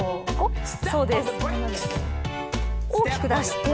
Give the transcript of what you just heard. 大きく出して。